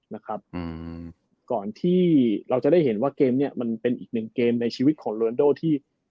นะครับอืมก่อนที่เราจะได้เห็นว่าเกมเนี้ยมันเป็นอีกหนึ่งเกมในชีวิตของโรนโดที่